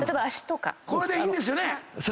これでいいんですよね